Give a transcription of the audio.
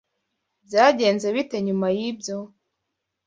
Byagenze bite nyuma yibyo?